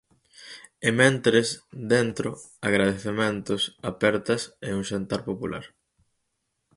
E mentres, dentro, agradecementos, apertas e un xantar popular.